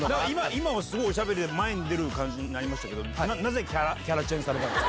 今もすごいおしゃべりで前に出る感じになりましたけれども、なぜキャラチェンジされたんです